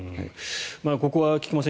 ここは菊間さん